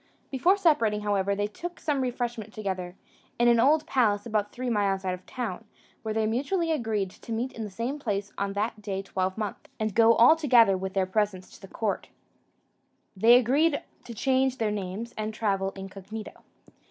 Before separating, however, they took some refreshment together, in an old palace about three miles out of town, where they mutually agreed to meet in the same place on that day twelvemonth, and go all together with their presents to court. They also agreed to change their names, and travel incognito.